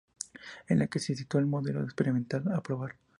En la que se sitúa el modelo experimental a probar.